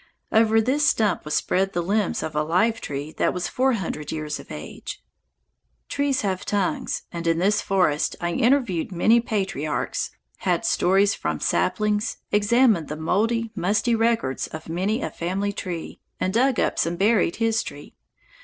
Over this stump was spread the limbs of a live tree that was four hundred years of age. Trees have tongues, and in this forest I interviewed many patriarchs, had stories from saplings, examined the mouldy, musty records of many a family tree, and dug up some buried history.